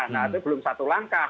nah itu belum satu langkah